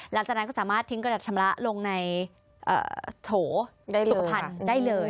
หลังจากนั้นก็สามารถทิ้งกระดาษชำระลงในโถสุขภัณฑ์ได้เลย